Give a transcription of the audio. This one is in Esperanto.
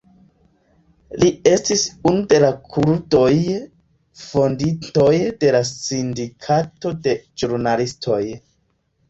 Li estis unu de la kurdoj fondintoj de la Sindikato de Ĵurnalistoj.